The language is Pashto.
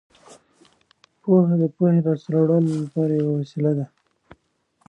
پوهه د پوهې د لاسته راوړلو لپاره یوه وسیله ده.